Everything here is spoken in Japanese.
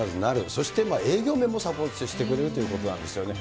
そして営業面もサポートしてくれるということなんですよね。